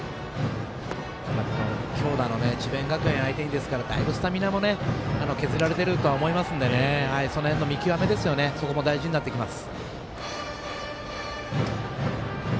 強打の智弁学園相手ですからだいぶ、スタミナも削られてると思いますのでその辺の見極めも大事になってきます。